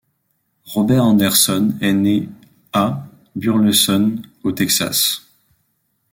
Robert Anderson est né à Burleson au Texas.